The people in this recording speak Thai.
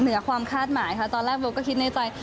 เหนือความคาดหมายค่ะตอนแรกโบ๊ก็คิดในใจ